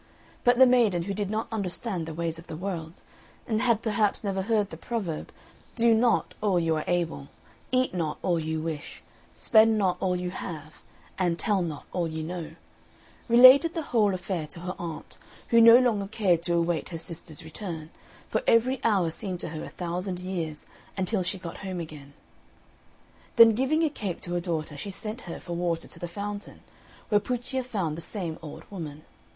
But the maiden, who did not understand the ways of the world, and had perhaps never heard the proverb, "Do not all you are able, eat not all you wish, spend not all you have, and tell not all you know," related the whole affair to her aunt, who no longer cared to await her sister's return, for every hour seemed to her a thousand years until she got home again. Then giving a cake to her daughter, she sent her for water to the fountain, where Puccia found the same old woman.